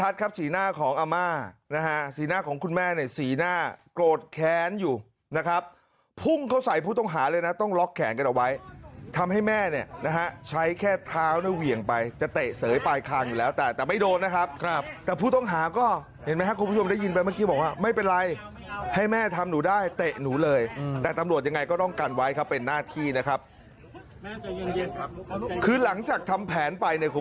ต้องล็อกแขนกันเอาไว้ทำให้แม่เนี้ยนะฮะใช้แค่เท้าเนี้ยเวียงไปจะเตะเสยปลายคางอยู่แล้วแต่แต่ไม่โดนนะครับครับแต่ผู้ต้องหาก็เห็นไหมฮะคุณผู้ชมได้ยินไปเมื่อกี้บอกว่าไม่เป็นไรให้แม่ทำหนูได้เตะหนูเลยอืมแต่ตำรวจยังไงก็ต้องกันไว้ครับเป็นหน้าที่นะครับคือหลังจาก